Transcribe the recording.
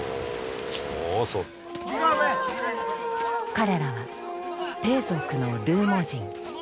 彼らはペー族の勒墨人。